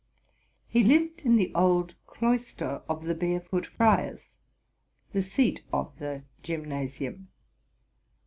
He lived in the old cloister of the barefoot friars, the seat of the gymnasium.